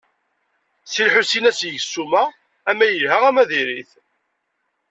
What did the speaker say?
Si Lḥusin ad s-yeg ssuma, ama yelha ama diri-t.